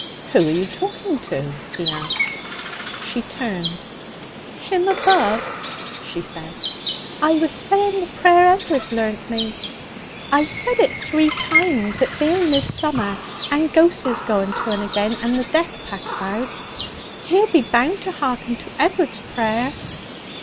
'Who are you talking to?' he asked. She turned. 'Him above,' she said. 'I was saying the prayer Ed'ard learnt me. I said it three times, it being Midsummer, and ghosses going to and agen and the death pack about. He'll be bound to hearken to Ed'ard's prayer.'